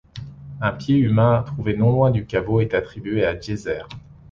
Un pied humain trouvé non loin du caveau est attribué à Djéser.